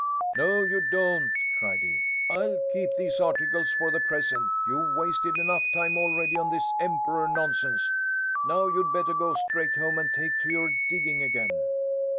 "No you don't!" cried he. "I'll keep these articles for the present. You've wasted enough time already on this emperor nonsense. Now you'd better go straight home and take to your digging again."